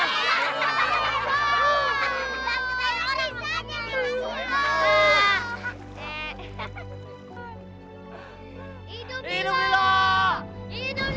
peluir untuk primaacles